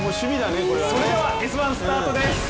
それでは「Ｓ☆１」スタートです。